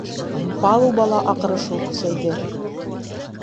Палубала аҡырышыу көсәйҙе.